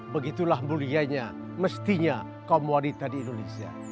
begitulah mulianya mestinya kaum wanita di indonesia